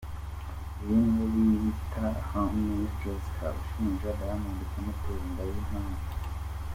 Uyu niwe wiyita Honey Jesca ushinja Diamond kumutera inda y’impanga